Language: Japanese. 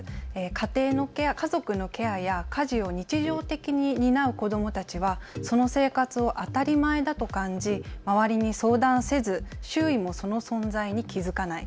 家庭のケア、家族のケアや家事を日常的に担う子どもたちはその生活を当たり前だと感じ周りに相談せず周囲もその存在に気付かない。